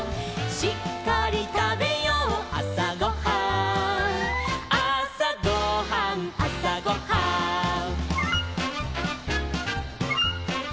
「しっかりたべようあさごはん」「あさごはんあさごはん」